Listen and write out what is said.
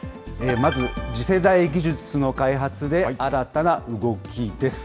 まず次世代技術の開発で新たな動きです。